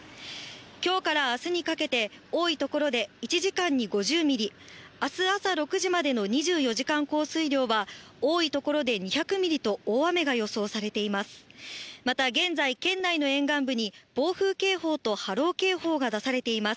今日から明日にかけて多い所で１時間に５０ミリ、明日朝６時までの２４時間降水量は多い所で２００ミリと大雨が予想されています。